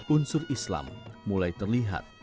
unsur islam mulai terlihat